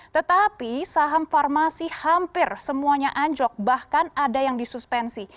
tetapi saham farmasi hampir semuanya anjlok bahkan ada yang disuspensi